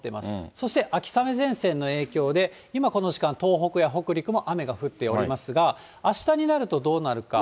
そして秋雨前線の影響で、今、この時間、東北や北陸も雨が降っておりますが、あしたになるとどうなるか。